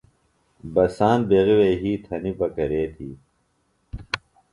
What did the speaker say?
بساند بیغیۡ وے یھئی تھنیۡ بہ کرے تی؟